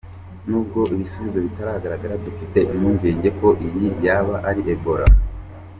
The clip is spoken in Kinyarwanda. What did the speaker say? Nubwo ibisubizo bitaragaragara, dufite impungenge ko iyi yaba ari Ebola.